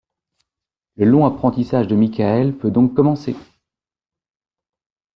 Le long apprentissage de Mickael peut donc commencer.